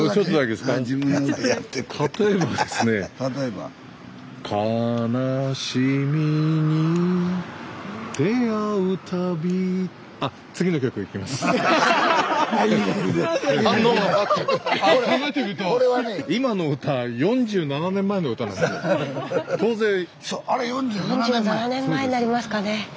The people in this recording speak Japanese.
スタジオ４７年前になりますかね。